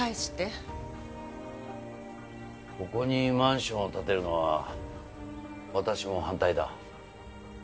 ここにマンションを建てるのは私も反対だ。